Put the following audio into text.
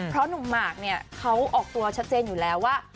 เพราะหนุ่มหมากเนี่ยเขาออกตัวชัดเจนอยู่แล้วว่า